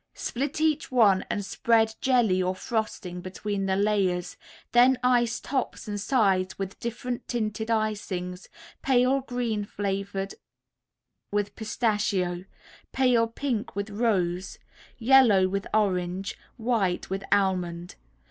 Split each one and spread jelly or frosting between the layers, then ice tops and sides with different tinted icings, pale green flavored with pistachio, pale pink with rose, yellow with orange, white with almond.